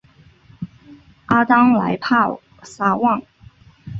阿当莱帕萨旺。